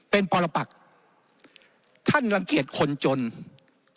เป็นเพราะว่าท่านนายกเห็นว่าคนกลุ่มหนึ่ง